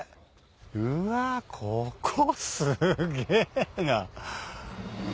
うわここすげぇな！